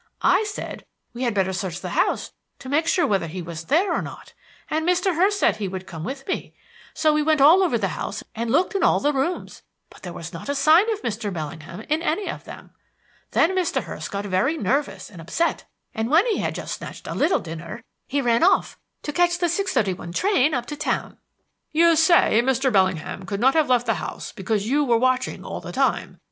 I said we had better search the house to make sure whether he was there or not, and Mr. Hurst said he would come with me; so we all went over the house and looked in all the rooms, but there was not a sign of Mr. Bellingham in any of them. Then Mr. Hurst got very nervous and upset, and when he had just snatched a little dinner he ran off to catch the six thirty one train up to town." "You say that Mr. Bellingham could not have left the house because you were watching all the time.